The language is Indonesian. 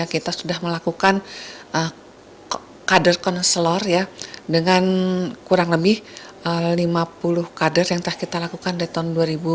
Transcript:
kita sudah melakukan kader konselor ya dengan kurang lebih lima puluh kader yang telah kita lakukan dari tahun dua ribu enam belas dua ribu tujuh belas dua ribu delapan belas